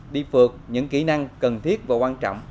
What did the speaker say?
đi phượt những kỹ năng cần thiết và quan trọng